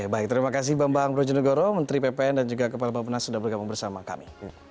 oke baik terima kasih bambang projonegoro menteri ppn dan juga kepala pembenahan sudah bergabung bersama kami